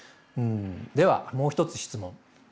ではもう一つ質問。